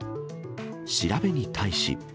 調べに対し。